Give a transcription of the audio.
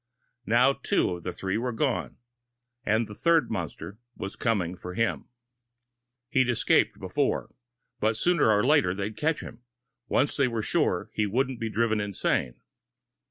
Now two of the three were gone, and the third monster was coming for him. He'd escaped before. But sooner or later, they'd catch him once they were sure he wouldn't be driven insane.